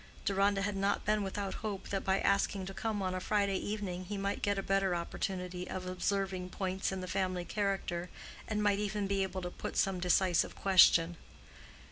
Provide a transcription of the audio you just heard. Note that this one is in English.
Deronda had not been without hope that by asking to come on a Friday evening he might get a better opportunity of observing points in the family character, and might even be able to put some decisive question.